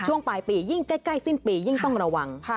ช่วงปลายปียิ่งใกล้สิ้นปียิ่งต้องระวัง